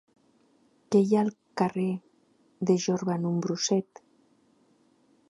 Què hi ha al carrer de Jorba número set?